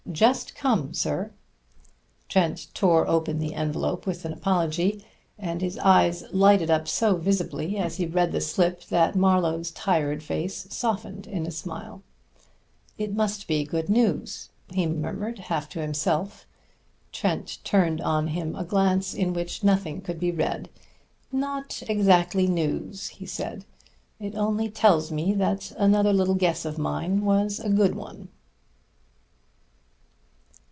"Just come, sir." Trent tore open the envelop with an apology, and his eyes lighted up so visibly as he read the slip that Marlowe's tired face softened in a smile. "It must be good news," he murmured half to himself. Trent turned on him a glance in which nothing could be read. "Not exactly news," he said. "It only tells me that another little guess of mine was a good one."